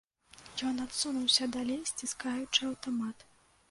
Ён адсунуўся далей, сціскаючы аўтамат.